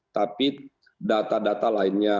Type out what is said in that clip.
tapi data data lainnya